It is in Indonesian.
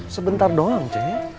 sebentar doang ceng